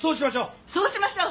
そうしましょう！